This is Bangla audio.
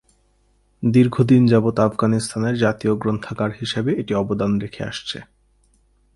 দীর্ঘদিন যাবত আফগানিস্তানের জাতীয় গ্রন্থাগার হিসাবে এটি অবদান রেখে আসছে।